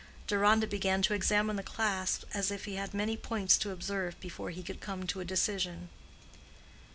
Deronda began to examine the clasps as if he had many points to observe before he could come to a decision.